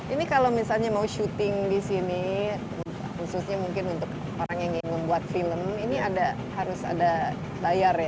ini kalau misalnya mau syuting di sini khususnya mungkin untuk orang yang ingin membuat film ini harus ada bayar ya